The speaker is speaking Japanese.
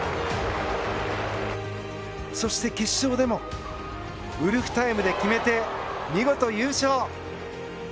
そして決勝でもウルフタイムで決めて見事優勝。